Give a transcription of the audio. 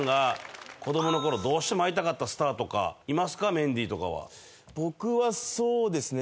メンディーとかは僕はそうですね